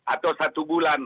atau satu bulan